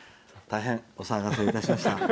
大変お騒がせいたしました。